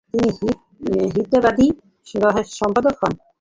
তিনি 'হিতবাদী' র সম্পাদক হন।